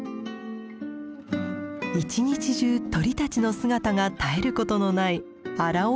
一日中鳥たちの姿が絶えることのない荒尾干潟。